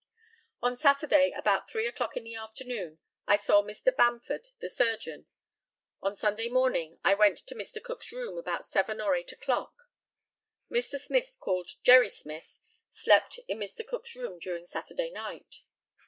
On Saturday, about three o'clock in the afternoon, I saw Mr. Bamford, the surgeon. On Sunday morning I went to Mr. Cook's room, about seven or eight o'clock. Mr. Smith, called "Jerry Smith," slept in Mr. Cook's room during Saturday night.